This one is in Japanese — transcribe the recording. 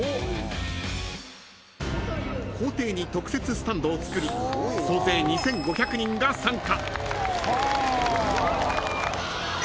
［校庭に特設スタンドを作り総勢２，５００人が参加］